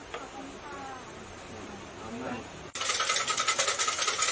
ได้เรียกอะไรครับ๗๐๔นะ